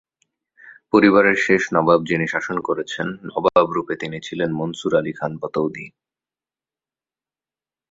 পরিবারের শেষ নবাব যিনি শাসন করেছেন নবাব রূপে তিনি ছিলেন মনসুর আলি খান পতৌদি।